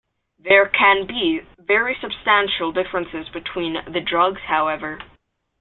There can be very substantial differences between the drugs, however.